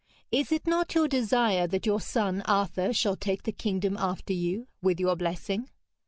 Is it not your desire that your son Arthur shall take the kingdom after you, with your blessing?'